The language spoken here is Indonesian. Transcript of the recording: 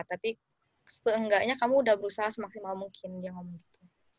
tapi seenggaknya kamu udah berusaha semaksimal mungkin dia ngomong gitu